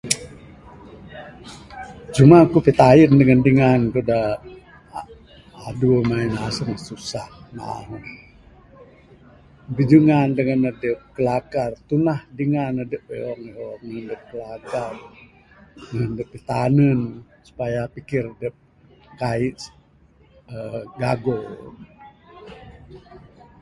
Cuma ku pitayen dangan dingan ku da adu main aseng susah ngan. Bidingan dangan adep, kilakar, tunah dingan adep ihong-ihong tinan adep kilakar, tinan adep bitanen supaya pikir adep kaii eee gago.